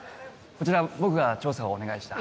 こちら僕が調査をお願いした。